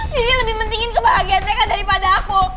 daddy lebih mentingin kebahagiaan mereka daripada aku